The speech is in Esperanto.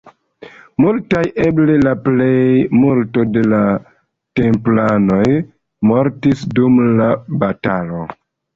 Multaj, eble la plejmulto de la templanoj mortis dum la batalo.